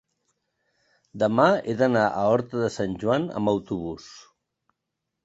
demà he d'anar a Horta de Sant Joan amb autobús.